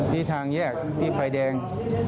ที่ทางแยกที่ไฟแดง